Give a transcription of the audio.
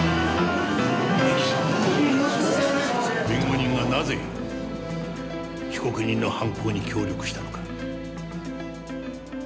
弁護人がなぜ被告人の犯行に協力したのか。